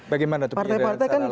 bagaimana itu partai partai kan